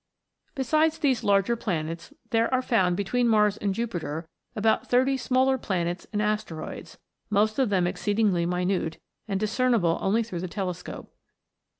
Besides these larger planets, there are found between Mars and Jupiter about thirty smaller planets and asteroids, most of them exceedingly minute, and discernible only through the telescope.